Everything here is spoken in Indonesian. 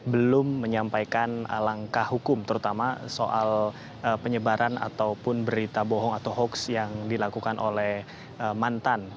belum menyampaikan langkah hukum terutama soal penyebaran ataupun berita bohong atau hoax yang dilakukan oleh mantan